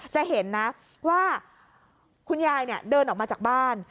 จะเห็นนะว่าคุณยายเดินออกมาจากบ้าน